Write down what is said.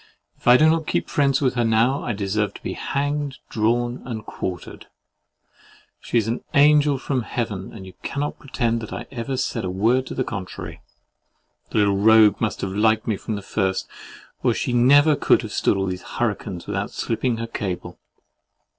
If I do not keep friends with her now, I deserve to be hanged, drawn, and quartered. She is an angel from Heaven, and you cannot pretend I ever said a word to the contrary! The little rogue must have liked me from the first, or she never could have stood all these hurricanes without slipping her cable.